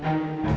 kamu berapa bayar